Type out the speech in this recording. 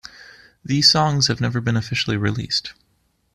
These songs have never been officially released.